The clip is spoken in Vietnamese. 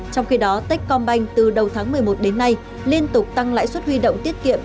trong khi đó techcombank từ đầu tháng một mươi một đến nay liên tục tăng lãi suất huy động tiết kiệm